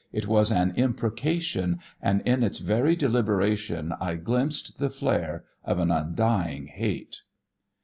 It was an imprecation, and in its very deliberation I glimpsed the flare of an undying hate.